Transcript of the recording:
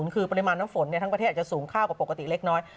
คือปริมาณน้ำฝนทั้งประเทศอาจจะสูงค่ากว่าปกติเล็กน้อย